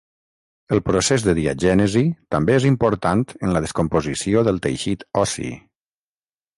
El procés de diagènesi també és important en la descomposició del teixit ossi.